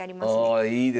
ああいいですね